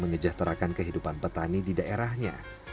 menyejahterakan kehidupan petani di daerahnya